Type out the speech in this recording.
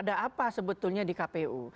kenapa sebetulnya di kpu